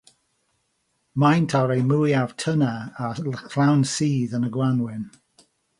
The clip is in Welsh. Maent ar eu mwyaf tyner a llawn sudd yn y gwanwyn.